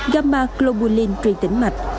gamma globulin truyền tĩnh mạch